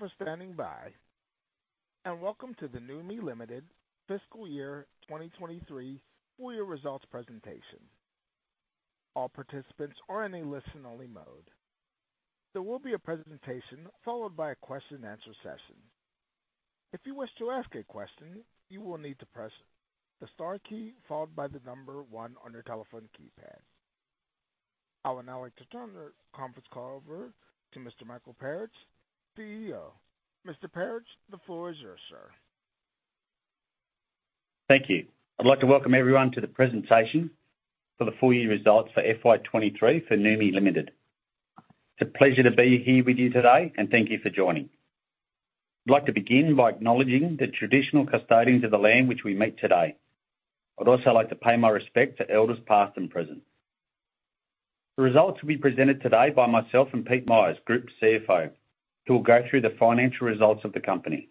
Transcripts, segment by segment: Thank you for standing by, and welcome to the Noumi Limited Fiscal Year 2023 Full Year Results Presentation. All participants are in a listen-only mode. There will be a presentation followed by a question-and-answer session. If you wish to ask a question, you will need to press the star key followed by the number one on your telephone keypad. I would now like to turn the conference call over to Mr. Michael Perich, the CEO. Mr. Perich, the floor is yours, sir. Thank you. I'd like to welcome everyone to the presentation for the full year results for FY 2023 for Noumi Limited. It's a pleasure to be here with you today, and thank you for joining. I'd like to begin by acknowledging the traditional custodians of the land, which we meet today. I'd also like to pay my respect to elders, past and present. The results will be presented today by myself and Peter Myers, Group CFO, who will go through the financial results of the company.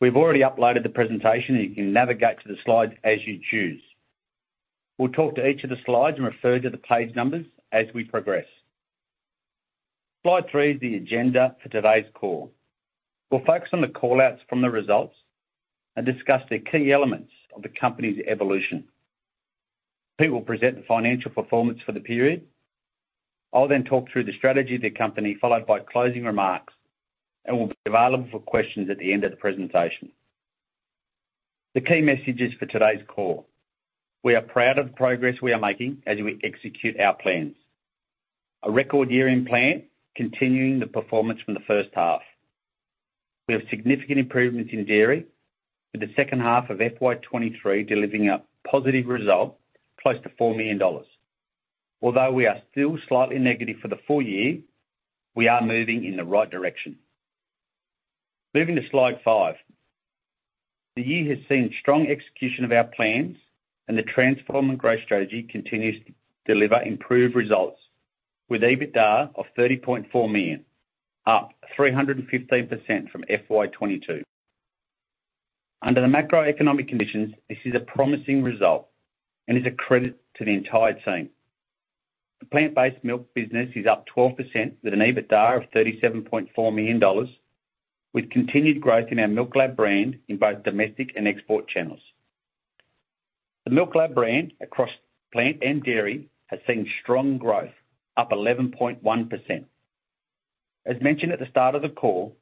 We've already uploaded the presentation, and you can navigate to the slides as you choose. We'll talk to each of the slides and refer to the page numbers as we progress. Slide 3 is the agenda for today's call. We'll focus on the call-outs from the results and discuss the key elements of the company's evolution. Pete will present the financial performance for the period. I'll then talk through the strategy of the company, followed by closing remarks, and will be available for questions at the end of the presentation. The key messages for today's call: We are proud of the progress we are making as we execute our plans. A record year in plant, continuing the performance from the first half. We have significant improvements in dairy, with the second half of FY 2023 delivering a positive result close to 4 million dollars. Although we are still slightly negative for the full year, we are moving in the right direction. Moving to Slide 5. The year has seen strong execution of our plans, and the transform and growth strategy continues to deliver improved results, with EBITDA of 30.4 million, up 315% from FY 2022. Under the macroeconomic conditions, this is a promising result and is a credit to the entire team. The plant-based milk business is up 12%, with an EBITDA of 37.4 million dollars, with continued growth in our MILKLAB brand in both domestic and export channels. The MILKLAB brand, across plant and dairy, has seen strong growth, up 11.1%. As mentioned at the start of the call,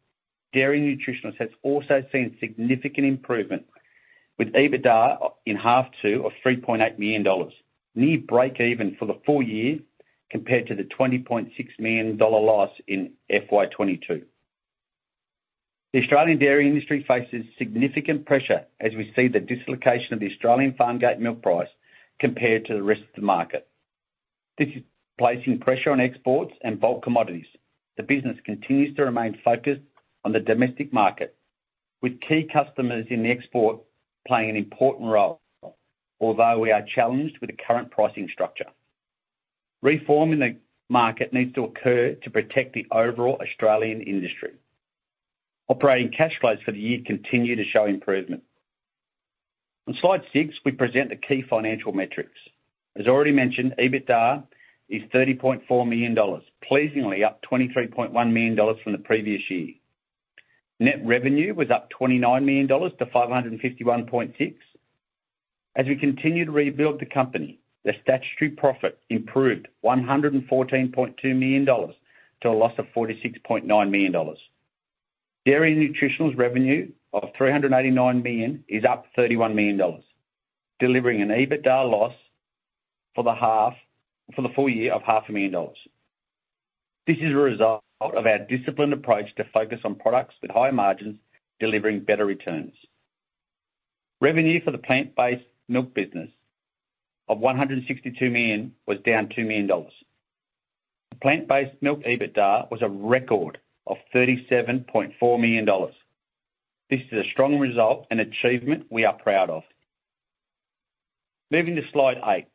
Dairy Nutritionals has also seen significant improvement, with EBITDA in H2 of 3.8 million dollars, near breakeven for the full year compared to the 20.6 million dollar loss in FY 2022. The Australian dairy industry faces significant pressure as we see the dislocation of the Australian farm gate milk price compared to the rest of the market. This is placing pressure on exports and bulk commodities. The business continues to remain focused on the domestic market, with key customers in the export playing an important role, although we are challenged with the current pricing structure. Reforming the market needs to occur to protect the overall Australian industry. Operating cash flows for the year continue to show improvement. On Slide 6, we present the key financial metrics. As already mentioned, EBITDA is 30.4 million dollars, pleasingly up 23.1 million dollars from the previous year. Net revenue was up 29 million-551.6 million dollars. As we continue to rebuild the company, the statutory profit improved 114.2 million dollars to a loss of 46.9 million dollars. Dairy Nutritionals revenue of 389 million is up 31 million dollars, delivering an EBITDA loss for the full year of 0.5 million dollars. This is a result of our disciplined approach to focus on products with higher margins, delivering better returns. Revenue for the plant-based milk business of 162 million was down 2 million dollars. The plant-based milk EBITDA was a record of 37.4 million dollars. This is a strong result and achievement we are proud of. Moving to Slide 8.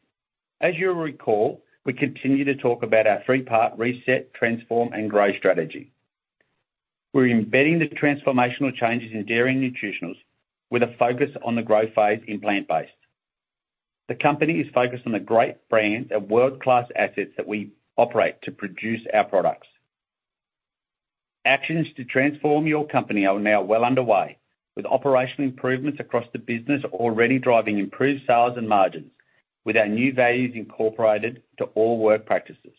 As you'll recall, we continue to talk about our three-part reset, transform, and grow strategy. We're embedding the transformational changes in Dairy Nutritionals with a focus on the growth phase in plant-based. The company is focused on the great brands and world-class assets that we operate to produce our products. Actions to transform your company are now well underway, with operational improvements across the business already driving improved sales and margins with our new values incorporated to all work practices.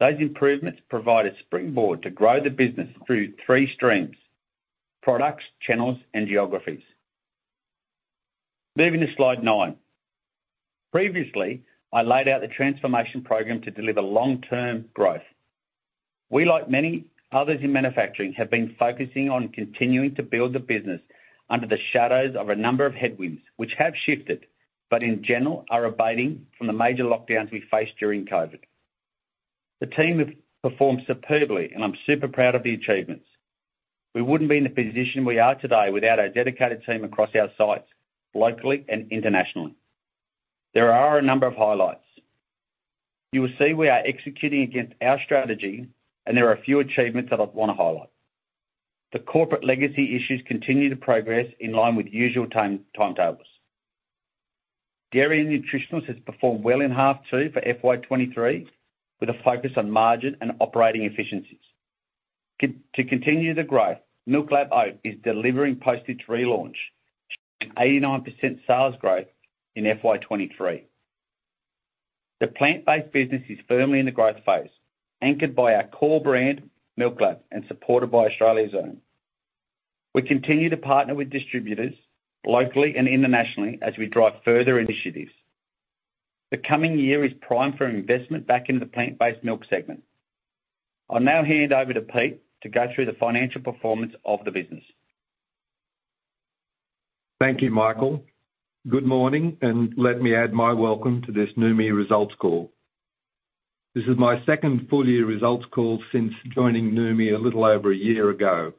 Those improvements provide a springboard to grow the business through three streams: products, channels, and geographies. Moving to Slide 9. Previously, I laid out the transformation program to deliver long-term growth. We, like many others in manufacturing, have been focusing on continuing to build the business under the shadows of a number of headwinds, which have shifted, but in general are abating from the major lockdowns we faced during COVID. The team have performed superbly, and I'm super proud of the achievements. We wouldn't be in the position we are today without our dedicated team across our sites, locally and internationally. There are a number of highlights. You will see we are executing against our strategy, and there are a few achievements that I wanna highlight. The corporate legacy issues continue to progress in line with usual timelines. Dairy and Nutritionals has performed well in H2 for FY 2023, with a focus on margin and operating efficiencies. To continue the growth, MILKLAB Oat is delivering post its relaunch, 89% sales growth in FY 2023. The plant-based business is firmly in the growth phase, anchored by our core brand, MILKLAB, and supported by Australia's Own. We continue to partner with distributors, locally and internationally as we drive further initiatives. The coming year is prime for investment back in the plant-based milk segment. I'll now hand over to Peter to go through the financial performance of the business. Thank you, Michael. Good morning, and let me add my welcome to this Noumi results call. This is my second full year results call since joining Noumi a little over a year ago,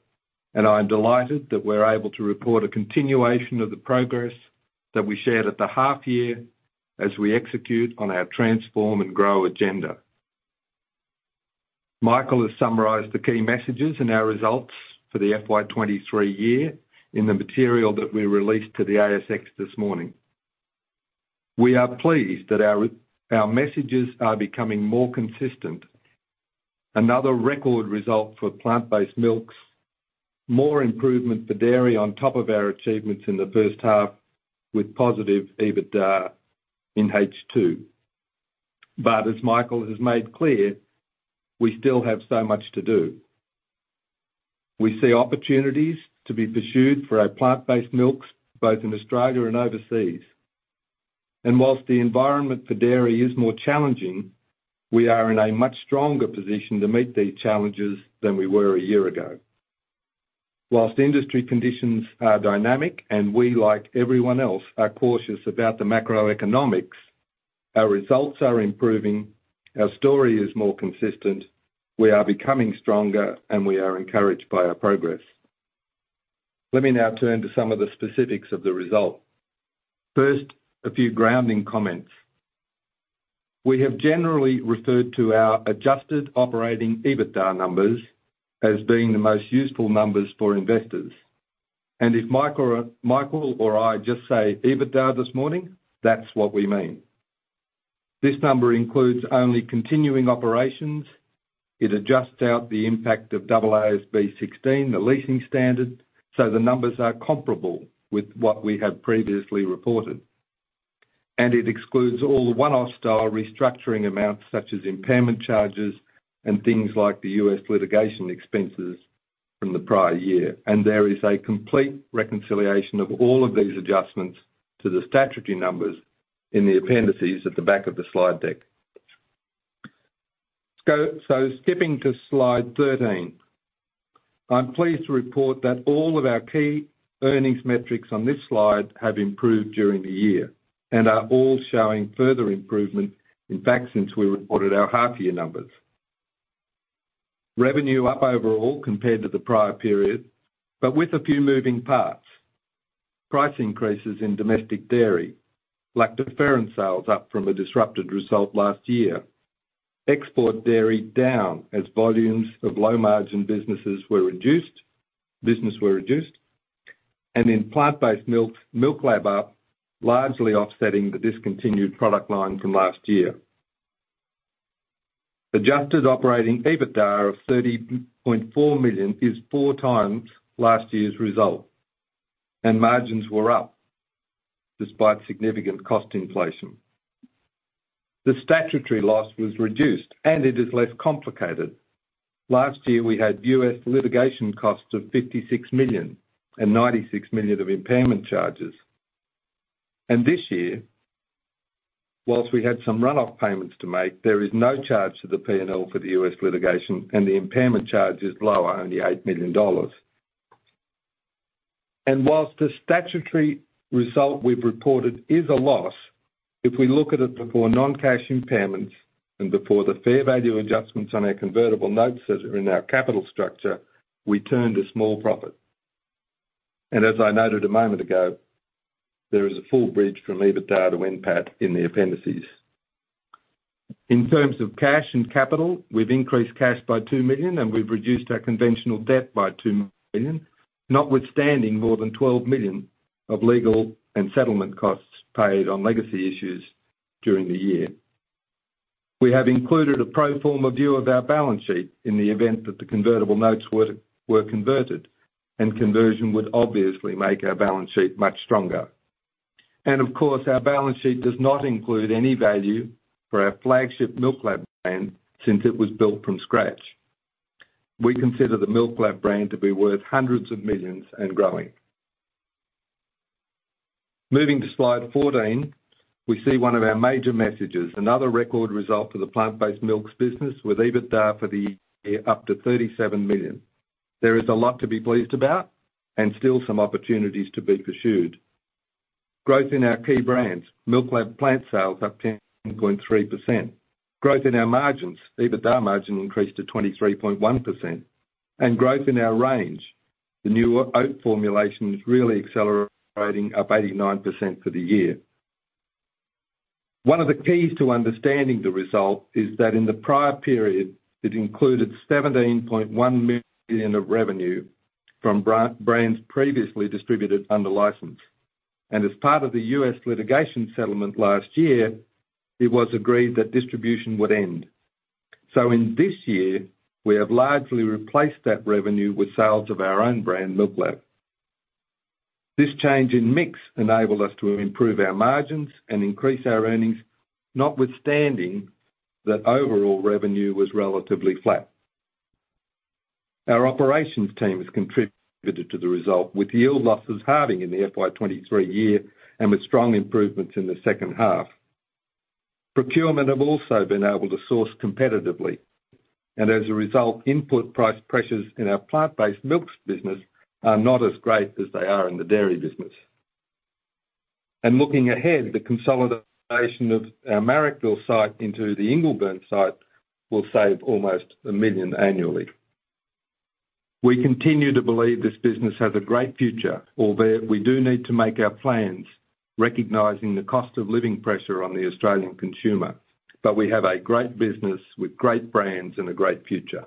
and I'm delighted that we're able to report a continuation of the progress that we shared at the half year as we execute on our transform and grow agenda. Michael has summarized the key messages and our results for the FY 2023 year in the material that we released to the ASX this morning. We are pleased that our messages are becoming more consistent. Another record result for plant-based milks, more improvement for dairy on top of our achievements in the first half, with positive EBITDA in H2. But as Michael has made clear, we still have so much to do. We see opportunities to be pursued for our plant-based milks, both in Australia and overseas. While the environment for dairy is more challenging, we are in a much stronger position to meet these challenges than we were a year ago. While industry conditions are dynamic, and we, like everyone else, are cautious about the macroeconomics, our results are improving, our story is more consistent, we are becoming stronger, and we are encouraged by our progress. Let me now turn to some of the specifics of the result. First, a few grounding comments. We have generally referred to our adjusted operating EBITDA numbers as being the most useful numbers for investors. If Mike or, Michael or I just say EBITDA this morning, that's what we mean. This number includes only continuing operations. It adjusts out the impact of AASB 16, the leasing standard, so the numbers are comparable with what we have previously reported. It excludes all the one-off style restructuring amounts, such as impairment charges and things like the U.S. litigation expenses from the prior year. There is a complete reconciliation of all of these adjustments to the statutory numbers in the appendices at the back of the slide deck. Skipping to Slide 13, I'm pleased to report that all of our key earnings metrics on this slide have improved during the year and are all showing further improvement, in fact, since we reported our half-year numbers. Revenue up overall compared to the prior period, but with a few moving parts. Price increases in domestic dairy, lactoferrin sales up from a disrupted result last year. Export dairy down, as volumes of low-margin businesses were reduced, and in plant-based milk, MILKLAB up, largely offsetting the discontinued product line from last year. Adjusted operating EBITDA of 30.4 million is 4x last year's result, and margins were up despite significant cost inflation. The statutory loss was reduced, and it is less complicated. Last year, we had U.S. litigation costs of 56 million and 96 million of impairment charges. This year, while we had some runoff payments to make, there is no charge to the P&L for the U.S. litigation, and the impairment charge is lower, only 8 million dollars. While the statutory result we've reported is a loss, if we look at it before non-cash impairments and before the fair value adjustments on our convertible notes that are in our capital structure, we turn to small profit. As I noted a moment ago, there is a full bridge from EBITDA to NPAT in the appendices. In terms of cash and capital, we've increased cash by 2 million, and we've reduced our conventional debt by 2 million, notwithstanding more than 12 million of legal and settlement costs paid on legacy issues during the year. We have included a pro forma view of our balance sheet in the event that the convertible notes were converted, and conversion would obviously make our balance sheet much stronger. And of course, our balance sheet does not include any value for our flagship MILKLAB brand since it was built from scratch. We consider the MILKLAB brand to be worth AUD hundreds of millions and growing. Moving to Slide 14, we see one of our major messages, another record result for the plant-based milks business, with EBITDA for the year up to 37 million. There is a lot to be pleased about and still some opportunities to be pursued. Growth in our key brands, MILKLAB plant sales up 10.3%. Growth in our margins, EBITDA margin increased to 23.1%, and growth in our range. The new Oat formulation is really accelerating, up 89% for the year. One of the keys to understanding the result is that in the prior period, it included 17.1 million of revenue from brands previously distributed under license. As part of the U.S. litigation settlement last year, it was agreed that distribution would end. So in this year, we have largely replaced that revenue with sales of our own brand, MILKLAB. This change in mix enabled us to improve our margins and increase our earnings, notwithstanding that overall revenue was relatively flat. Our operations team has contributed to the result, with yield losses halving in the FY 2023 year and with strong improvements in the second half. Procurement have also been able to source competitively, and as a result, input price pressures in our plant-based milks business are not as great as they are in the dairy business. Looking ahead, the consolidation of our Marrickville site into the Ingleburn site will save almost 1 million annually. We continue to believe this business has a great future, albeit we do need to make our plans, recognizing the cost of living pressure on the Australian consumer. We have a great business with great brands and a great future.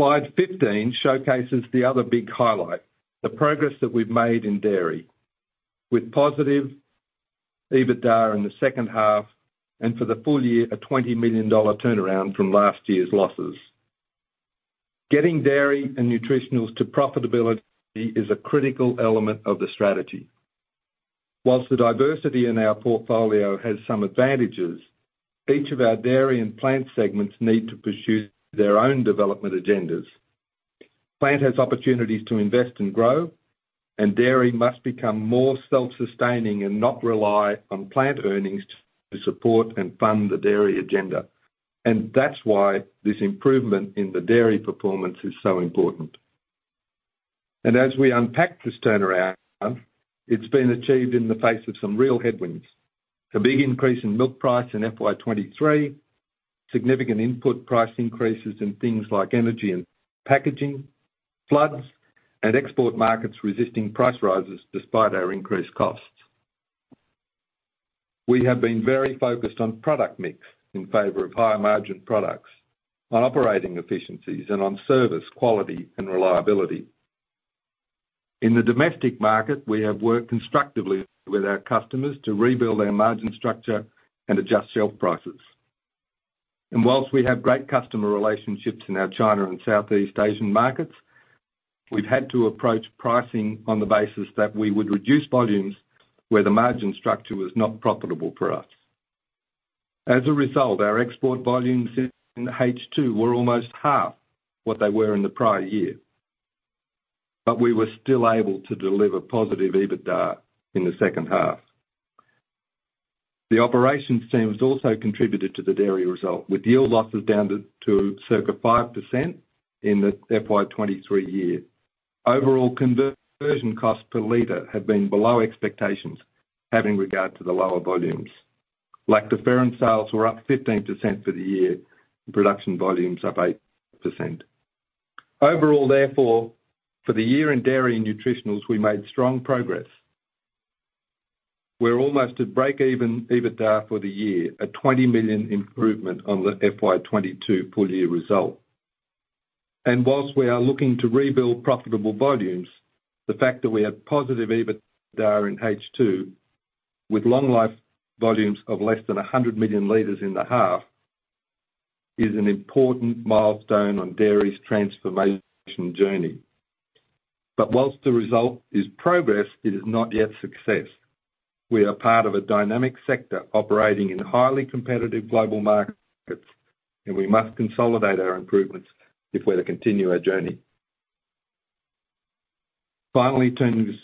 Slide 15 showcases the other big highlight, the progress that we've made in dairy, with positive EBITDA in the second half, and for the full year, an 20 million dollar turnaround from last year's losses. Getting Dairy and Nutritionals to profitability is a critical element of the strategy. While the diversity in our portfolio has some advantages, each of our dairy and plant segments need to pursue their own development agendas. Plant has opportunities to invest and grow, and dairy must become more self-sustaining and not rely on plant earnings to support and fund the dairy agenda. And that's why this improvement in the dairy performance is so important. And as we unpack this turnaround, it's been achieved in the face of some real headwinds. A big increase in milk price in FY 2023, significant input price increases in things like energy and packaging, floods, and export markets resisting price rises despite our increased costs. We have been very focused on product mix in favor of higher-margin products, on operating efficiencies, and on service, quality, and reliability. In the domestic market, we have worked constructively with our customers to rebuild our margin structure and adjust shelf prices. Whilst we have great customer relationships in our China and Southeast Asian markets, we've had to approach pricing on the basis that we would reduce volumes where the margin structure was not profitable for us. As a result, our export volumes in H2 were almost half what they were in the prior year, but we were still able to deliver positive EBITDA in the second half. The operations team has also contributed to the dairy result, with yield losses down to circa 5% in the FY 2023 year. Overall, conversion costs per liter have been below expectations, having regard to the lower volumes. Lactoferrin sales were up 15% for the year, and production volumes up 8%. Overall, therefore, for the year in Dairy and Nutritionals, we made strong progress. We're almost at break-even EBITDA for the year, an 20 million improvement on the FY 2022 full-year result. And whilst we are looking to rebuild profitable volumes, the fact that we have positive EBITDA in H2, with long life volumes of less than 100 million liters in the half, is an important milestone on dairy's transformation journey. But whilst the result is progress, it is not yet success. We are part of a dynamic sector operating in highly competitive global markets, and we must consolidate our improvements if we're to continue our journey. Finally, turning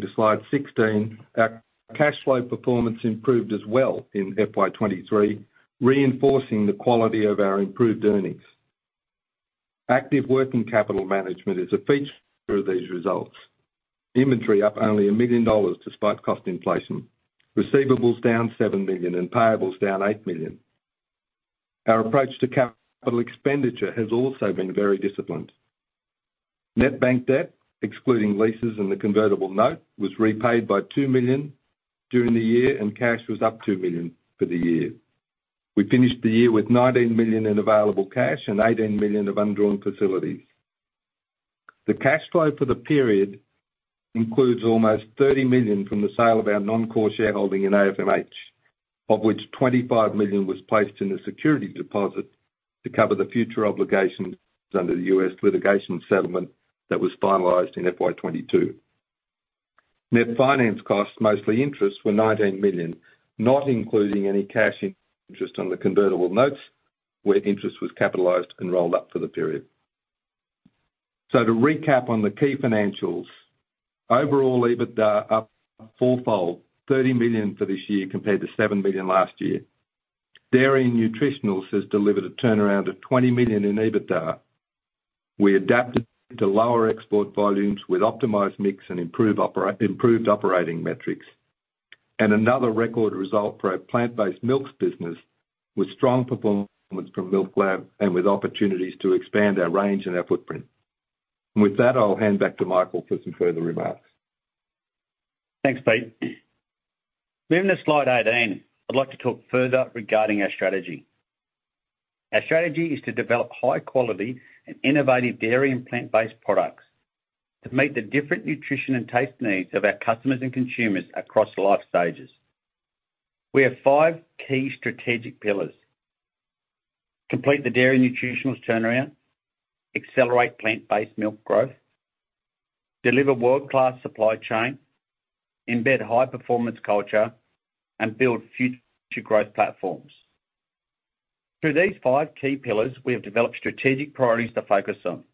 to Slide 16. Our cash flow performance improved as well in FY 2023, reinforcing the quality of our improved earnings. Active working capital management is a feature of these results. Inventory up only 1 million dollars despite cost inflation, receivables down 7 million, and payables down 8 million. Our approach to capital expenditure has also been very disciplined. Net bank debt, excluding leases and the convertible note, was repaid by 2 million during the year, and cash was up 2 million for the year. We finished the year with 19 million in available cash and 18 million of undrawn facilities. The cash flow for the period includes almost 30 million from the sale of our non-core shareholding in AFMH, of which 25 million was placed in a security deposit to cover the future obligations under the U.S. litigation settlement that was finalized in FY 2022. Net finance costs, mostly interest, were AUD 19 million, not including any cash interest on the convertible notes, where interest was capitalized and rolled up for the period. So to recap on the key financials, overall, EBITDA up fourfold, 30 million for this year compared to 7 million last year. Dairy and Nutritionals has delivered a turnaround of 20 million in EBITDA. We adapted to lower export volumes with optimized mix and improved operating metrics, and another record result for our plant-based milks business, with strong performance from MILKLAB and with opportunities to expand our range and our footprint. And with that, I'll hand back to Michael for some further remarks. Thanks, Peter. Moving to Slide 18, I'd like to talk further regarding our strategy. Our strategy is to develop high quality and innovative dairy and plant-based products, to meet the different nutrition and taste needs of our customers and consumers across life stages. We have five key strategic pillars: complete the Dairy Nutritionals turnaround, accelerate plant-based milk growth, deliver world-class supply chain, embed high performance culture, and build future growth platforms. Through these five key pillars, we have developed strategic priorities to focus on.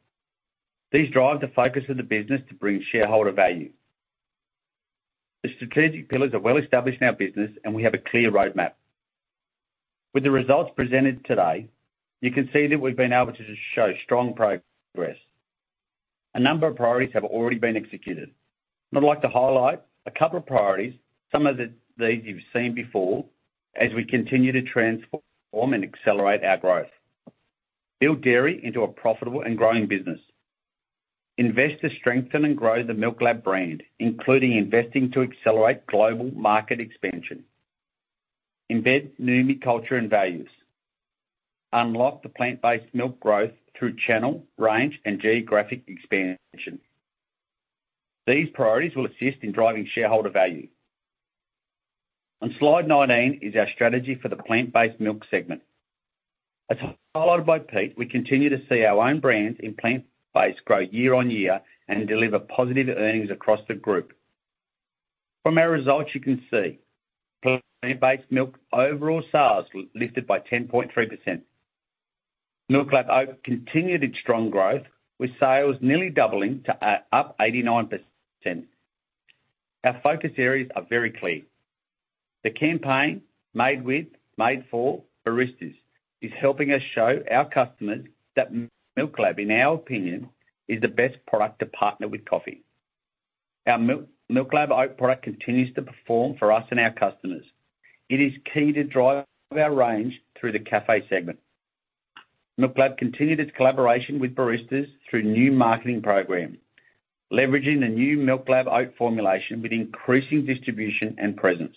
These drive the focus of the business to bring shareholder value. The strategic pillars are well established in our business, and we have a clear roadmap. With the results presented today, you can see that we've been able to just show strong progress. A number of priorities have already been executed. I'd like to highlight a couple of priorities, some of the, these you've seen before, as we continue to transform and accelerate our growth. Build dairy into a profitable and growing business. Invest to strengthen and grow the MILKLAB brand, including investing to accelerate global market expansion. Embed Noumi culture and values. Unlock the plant-based milk growth through channel, range, and geographic expansion. These priorities will assist in driving shareholder value. On Slide 19 is our strategy for the plant-based milk segment. As highlighted by Peter, we continue to see our own brands in plant-based grow year-on-year and deliver positive earnings across the group. From our results, you can see, plant-based milk overall sales lifted by 10.3%. MILKLAB Oat continued its strong growth, with sales nearly doubling to up 89%. Our focus areas are very clear. The campaign, Made With, Made For Baristas, is helping us show our customers that MILKLAB, in our opinion, is the best product to partner with coffee. Our Milk, MILKLAB Oat product continues to perform for us and our customers. It is key to drive our range through the cafe segment. MILKLAB continued its collaboration with baristas through new marketing program, leveraging the new MILKLAB Oat formulation with increasing distribution and presence.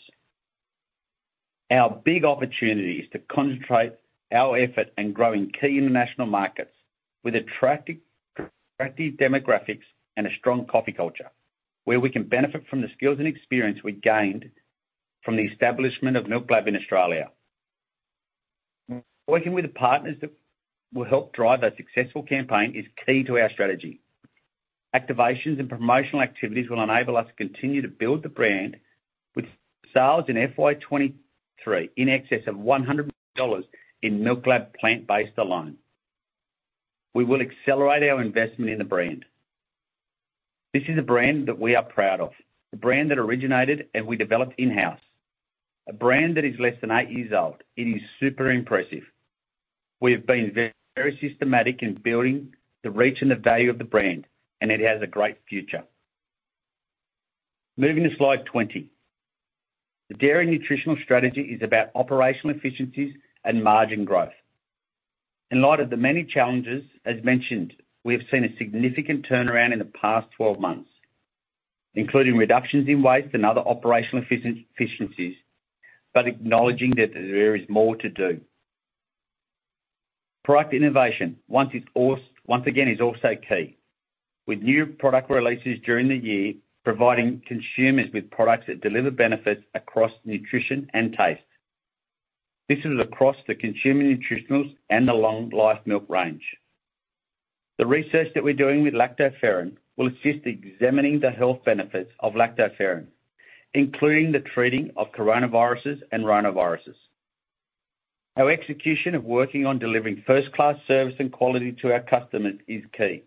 Our big opportunity is to concentrate our effort in growing key international markets with attractive, attractive demographics and a strong coffee culture, where we can benefit from the skills and experience we gained from the establishment of MILKLAB in Australia. Working with the partners that will help drive a successful campaign is key to our strategy. Activations and promotional activities will enable us to continue to build the brand, with sales in FY 2023 in excess of 100 million dollars in MILKLAB plant-based alone. We will accelerate our investment in the brand. This is a brand that we are proud of, a brand that originated and we developed in-house, a brand that is less than 8 years old. It is super impressive. We have been very systematic in building the reach and the value of the brand, and it has a great future. Moving to Slide 20. The dairy nutritional strategy is about operational efficiencies and margin growth. In light of the many challenges, as mentioned, we have seen a significant turnaround in the past 12 months, including reductions in waste and other operational efficiencies, but acknowledging that there is more to do. Product innovation, once again, is also key, with new product releases during the year, providing consumers with products that deliver benefits across nutrition and taste. This is across the consumer Nutritionals and the long-life milk range. The research that we're doing with Lactoferrin will assist examining the health benefits of Lactoferrin, including the treating of coronaviruses and rhinoviruses. Our execution of working on delivering first-class service and quality to our customers is key.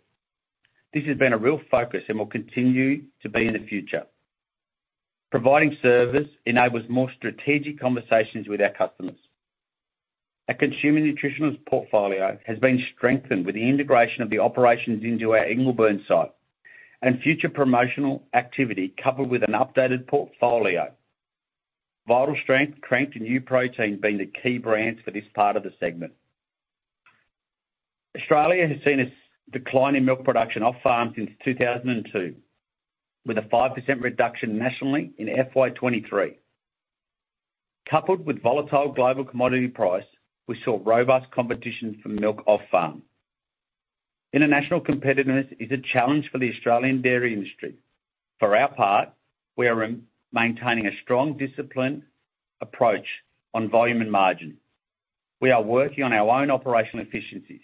This has been a real focus and will continue to be in the future. Providing service enables more strategic conversations with our customers. Our consumer Nutritionals portfolio has been strengthened with the integration of the operations into our Ingleburn site and future promotional activity, coupled with an updated portfolio. Vital Strength, Crankt, and UProtein being the key brands for this part of the segment. Australia has seen a decline in milk production off-farm since 2002, with a 5% reduction nationally in FY 2023. Coupled with volatile global commodity price, we saw robust competition for milk off-farm. International competitiveness is a challenge for the Australian dairy industry. For our part, we are re-maintaining a strong, disciplined approach on volume and margin. We are working on our own operational efficiencies.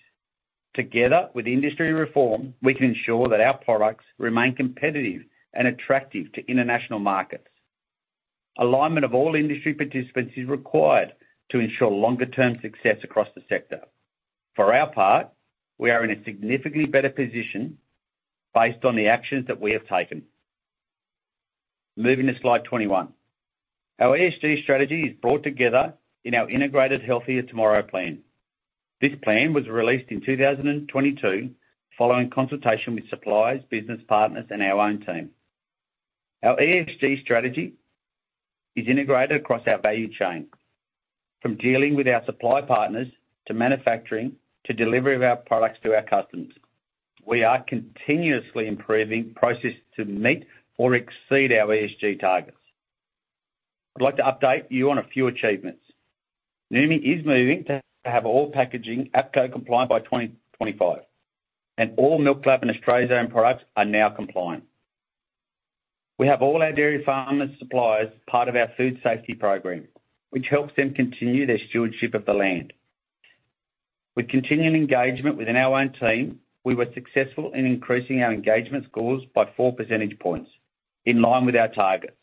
Together with industry reform, we can ensure that our products remain competitive and attractive to international markets. Alignment of all industry participants is required to ensure longer-term success across the sector. For our part, we are in a significantly better position based on the actions that we have taken. Moving to Slide 21. Our ESG strategy is brought together in our integrated, Healthier Tomorrow plan. This plan was released in 2022, following consultation with suppliers, business partners, and our own team. Our ESG strategy is integrated across our value chain, from dealing with our supply partners, to manufacturing, to delivery of our products to our customers. We are continuously improving processes to meet or exceed our ESG targets. I'd like to update you on a few achievements. Noumi is moving to have all packaging APCO compliant by 2025, and all MILKLAB and Australia's Own products are now compliant. We have all our dairy farmers, suppliers, part of our food safety program, which helps them continue their stewardship of the land. With continuing engagement within our own team, we were successful in increasing our engagement scores by 4 percentage points, in line with our targets.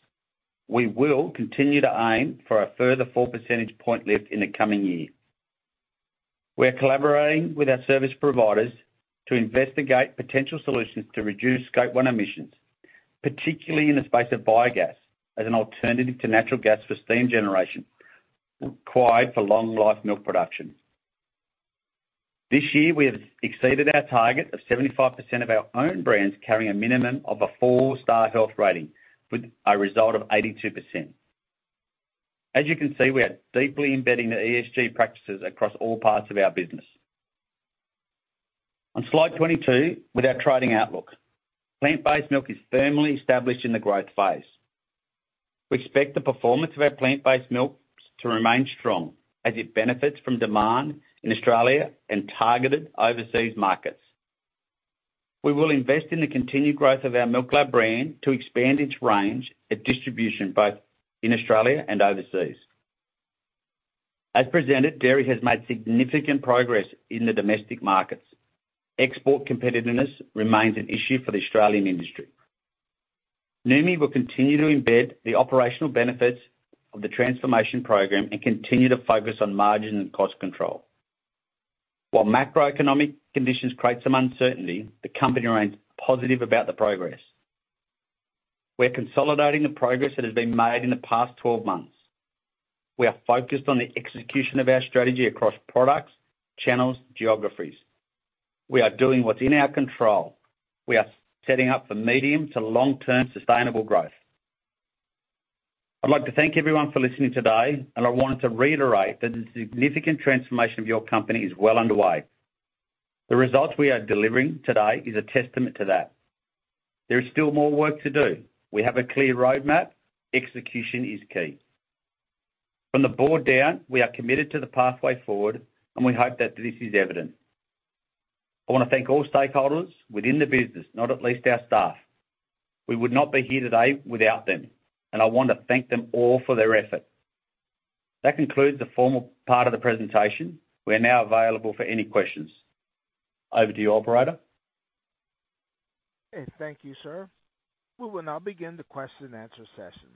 We will continue to aim for a further 4 percentage point lift in the coming year. We are collaborating with our service providers to investigate potential solutions to reduce Scope 1 emissions, particularly in the space of biogas, as an alternative to natural gas for steam generation, required for long-life milk production. This year, we have exceeded our target of 75% of our own brands carrying a minimum of a four-star health rating, with a result of 82%. As you can see, we are deeply embedding the ESG practices across all parts of our business. On Slide 22, with our trading outlook. Plant-based milk is firmly established in the growth phase. We expect the performance of our plant-based milk to remain strong as it benefits from demand in Australia and targeted overseas markets. We will invest in the continued growth of our MILKLAB brand to expand its range and distribution, both in Australia and overseas. As presented, dairy has made significant progress in the domestic markets. Export competitiveness remains an issue for the Australian industry. Noumi will continue to embed the operational benefits of the transformation program and continue to focus on margin and cost control. While macroeconomic conditions create some uncertainty, the company remains positive about the progress. We're consolidating the progress that has been made in the past 12 months. We are focused on the execution of our strategy across products, channels, geographies. We are doing what's in our control. We are setting up for medium to long-term sustainable growth. I'd like to thank everyone for listening today, and I want to reiterate that the significant transformation of your company is well underway. The results we are delivering today is a testament to that. There is still more work to do. We have a clear roadmap. Execution is key. From the board down, we are committed to the pathway forward, and we hope that this is evident. I want to thank all stakeholders within the business, not at least our staff. We would not be here today without them, and I want to thank them all for their effort. That concludes the formal part of the presentation. We are now available for any questions. Over to you, operator. Okay, thank you, sir. We will now begin the question and answer session.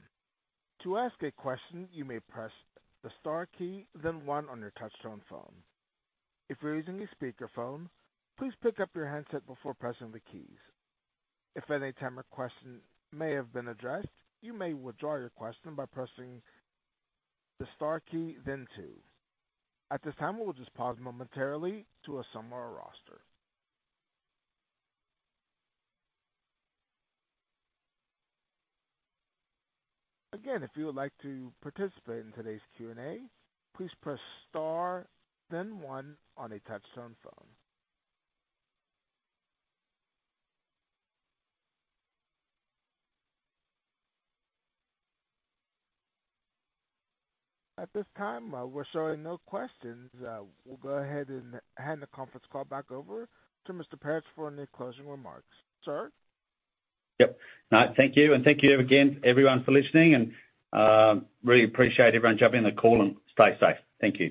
To ask a question, you may press the star key, then one on your touchtone phone. If you're using a speakerphone, please pick up your handset before pressing the keys. If at any time a question may have been addressed, you may withdraw your question by pressing the star key, then two. At this time, we'll just pause momentarily to assemble our roster. Again, if you would like to participate in today's Q&A, please press star then one on a touchtone phone. At this time, we're showing no questions. We'll go ahead and hand the conference call back over to Mr. Perich for any closing remarks. Sir? Yep. No, thank you, and thank you again, everyone, for listening and, really appreciate everyone jumping on the call and stay safe. Thank you.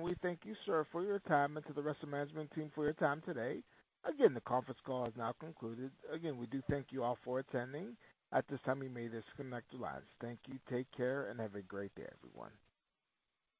We thank you, sir, for your time, and to the rest of the management team for your time today. Again, the conference call has now concluded. Again, we do thank you all for attending. At this time, you may disconnect your lines. Thank you, take care, and have a great day, everyone.